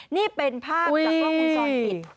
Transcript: นี่เป็นภาพจากว่าคุณซอดปิด